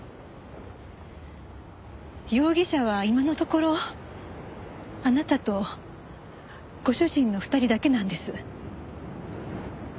容疑者は今のところあなたとご主人の２人だけなんです。